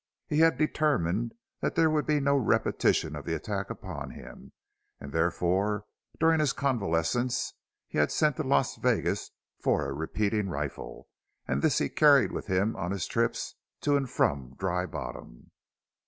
He had determined that there would be no repetition of the attack upon him, and therefore during his convalescence he had sent to Las Vegas for a repeating rifle, and this he carried with him on his trips to and from Dry Bottom.